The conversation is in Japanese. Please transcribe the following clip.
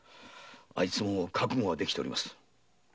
あいつも覚悟はできております。